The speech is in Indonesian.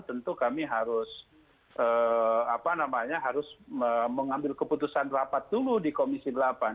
tentu kami harus mengambil keputusan rapat dulu di komisi delapan